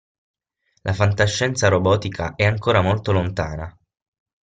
La fantascienza robotica è ancora molto lontana.